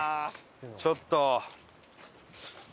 ちょっと。